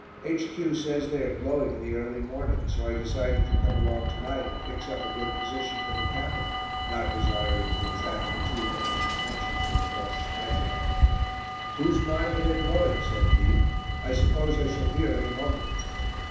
"H.Q. says they are 'blowing' in the early morning, so I decided to come along to night and fix up a good position for the camera, not desiring to attract the too earnest attentions of a Bosche sniper." "Whose mine are they blowing?" said he. "I suppose I shall hear any moment."